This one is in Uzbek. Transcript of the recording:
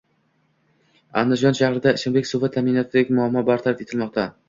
Andijon shahrida ichimlik suvi ta’minotidagi muammo bartaraf etilmoqda